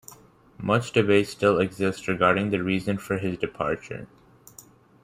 Much debate still exists regarding the reason for his departure.